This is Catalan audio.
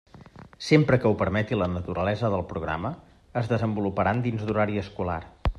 Sempre que ho permeti la naturalesa del programa, es desenvoluparan dins d'horari escolar.